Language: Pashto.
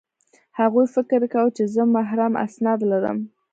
هغوی فکر کاوه چې زه محرم اسناد لرم